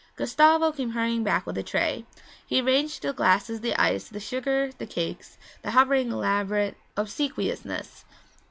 Gustavo came hurrying back with a tray. He arranged the glasses, the ice, the sugar, the cakes, with hovering, elaborate obsequiousness.